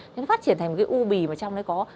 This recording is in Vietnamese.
thế nó phát triển thành một cái u bì mà trong đấy có